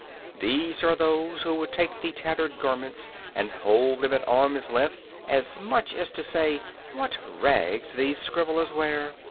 These are those who would take the tattered garments and hold them at arm's length, as much as to say: "What rags these scribblers wear!"